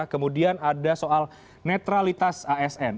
kemudian ada soal netralitas asn